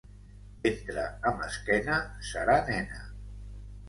Ventre amb esquena, serà nena.